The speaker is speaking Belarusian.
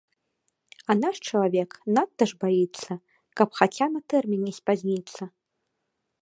А наш чалавек надта ж баіцца, каб хаця на тэрмін не спазніцца.